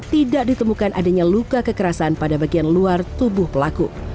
tidak ditemukan adanya luka kekerasan pada bagian luar tubuh pelaku